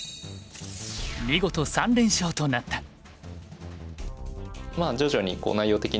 見事３連勝となった。